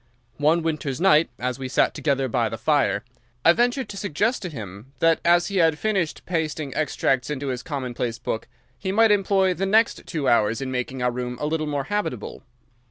One winter's night, as we sat together by the fire, I ventured to suggest to him that, as he had finished pasting extracts into his common place book, he might employ the next two hours in making our room a little more habitable.